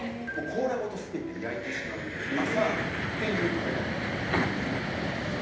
甲羅ごと全て焼いてしまうアサードっていう食べ方が人気だったりして。